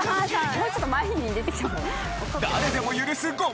もうちょっと前に出てきて。